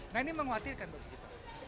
nah ini mengkhawatirkan bagi kita